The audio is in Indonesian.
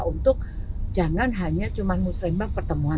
untuk jangan hanya cuma muslimah pertemuan